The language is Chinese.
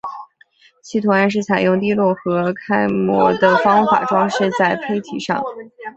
其图案是采用滴落和揩抹的方法装饰在坯体上。